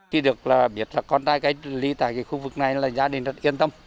khi được biết là con trai cách ly tại khu vực này là gia đình rất yên tâm